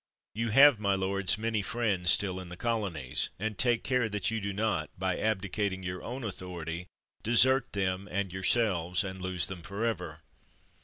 You have, my lords, many friends still in the colonies; and take care that you do not, by abdicating your own authority, desert them and yourselves and lose them for ever.